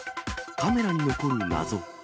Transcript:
カメラに残る謎。